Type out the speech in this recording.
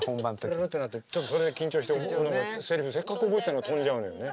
プルルってなってちょっとそれで緊張して何かセリフせっかく覚えてたのが飛んじゃうのよね。